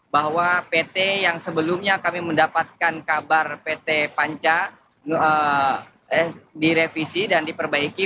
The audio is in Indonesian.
bahwa pt yang sebelumnya kami mendapatkan kabar pt panca direvisi dan diperbaiki